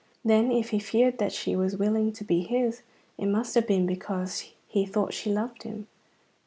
Then, if he feared that she was willing to be his, it must have been because he thought she loved him?